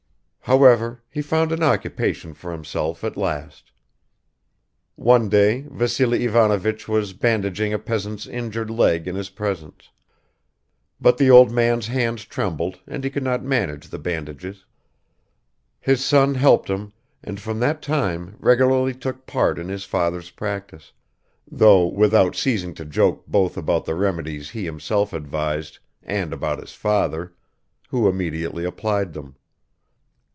. However, he found an occupation for himself at last. One day Vassily Ivanovich was bandaging a peasant's injured leg in his presence, but the old man's hands trembled and he could not manage the bandages; his son helped him and from that time regularly took part in his father's practice, though without ceasing to joke both about the remedies he himself advised and about his father, who immediately applied them.